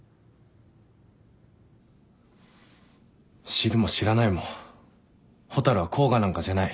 知るも知らないも蛍は甲賀なんかじゃない。